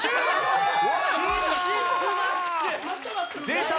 出た！